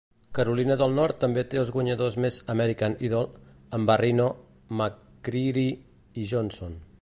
Carolina del Nord també té els guanyadors més "American Idol" amb Barrino, McCreery i Johnson.